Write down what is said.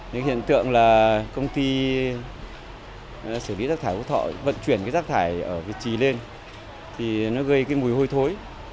những hiện tượng là công ty xử lý rác thải hữu thọ vận chuyển cái rác thải ở việt trì lên thì nó gây cái mùi hôi thối